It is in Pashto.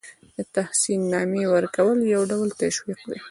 د تحسین نامې ورکول یو ډول تشویق دی.